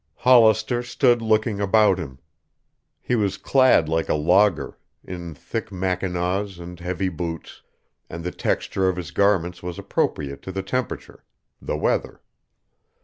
Hollister stood looking about him. He was clad like a logger, in thick mackinaws and heavy boots, and the texture of his garments was appropriate to the temperature, the weather.